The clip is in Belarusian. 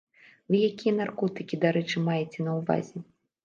Вы якія наркотыкі, дарэчы, маеце на ўвазе?